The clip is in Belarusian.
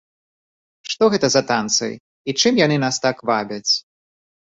Што гэта за танцы і чым яны нас так вабяць?